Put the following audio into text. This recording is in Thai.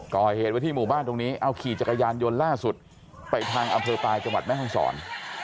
ก่อเหตุไว้ที่หมู่บ้านตรงนี้เอาขี่จักรยานยนต์ล่าสุดไปทางอำเภอปลายจังหวัดแม่ห้องศร